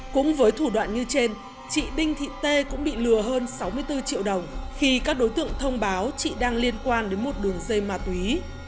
cũng với thủ đoạn như trên chị đinh thị tê cũng bị lừa hơn sáu mươi bốn triệu đồng khi các đối tượng thông báo chị đang liên quan đến một đường dây ma túy